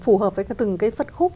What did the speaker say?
phù hợp với từng cái phất khúc